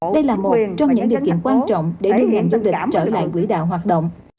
đây là một trong những điều kiện quan trọng để đưa ngành du lịch trở lại quỹ đạo hoạt động